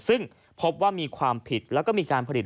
ซึ่งพบว่ามีความผิดแล้วก็มีการผลิต